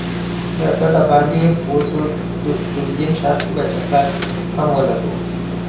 راځه د باندی وځو ډبلین ښار کی به چکر هم ولګو